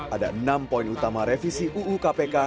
ada enam poin utama revisi uu kpk